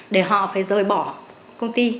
để họ phải rời bỏ công ty